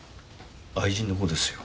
愛人の子ですよ。